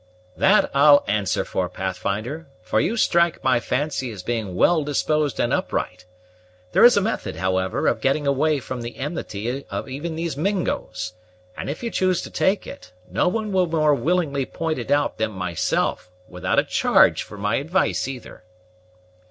"That I'll answer for, Pathfinder! for you strike my fancy as being well disposed and upright. There is a method, however, of getting away from the enmity of even these Mingos; and if you choose to take it, no one will more willingly point it out than myself, without a charge for my advice either."